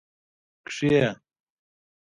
کښې